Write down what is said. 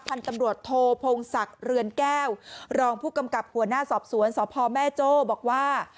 พันธุ์ตำรวจโทพงศักดิ์เรือนแก้วรองผู้กำกับหัวหน้าสอบสวนสพแม่โจ้บอกว่า